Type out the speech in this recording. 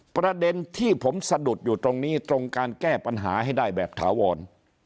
ประเด็นที่ผมสะดุดอยู่ตรงนี้ตรงการแก้ปัญหาให้ได้แบบถาวร